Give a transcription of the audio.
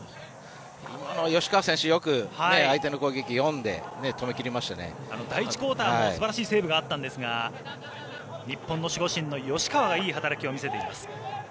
今、吉川選手相手の攻撃を読んで第１クオーターも素晴らしいセーブがあったんですが日本の守護神の吉川がいい働きを見せています。